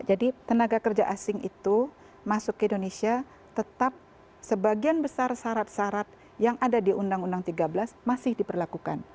jadi tenaga kerja asing itu masuk ke indonesia tetap sebagian besar syarat syarat yang ada di undang undang tiga belas masih diperlakukan